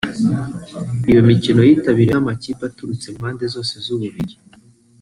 Iyo mikino yitabiriwe n’amakipe aturutse mu mpande zose z’u Bubiligi